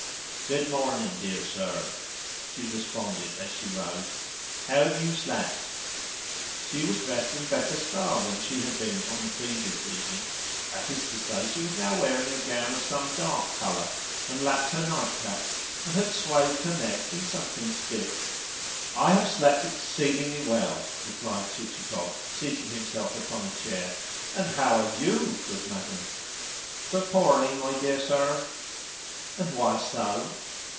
"Good morning, dear sir," she responded as she rose. "How have you slept?" She was dressed in better style than she had been on the previous evening. That is to say, she was now wearing a gown of some dark colour, and lacked her nightcap, and had swathed her neck in something stiff. "I have slept exceedingly well," replied Chichikov, seating himself upon a chair. "And how are YOU, good madam?" "But poorly, my dear sir." "And why so?"